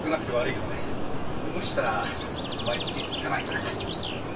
無理したら毎月続かないから。